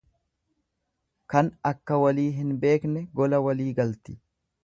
Kan akka walii hin beekne gola walii galti.